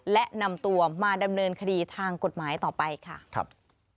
และนำตัวมาดำเนินคดีทางกฎหมายต่อไปค่ะครับ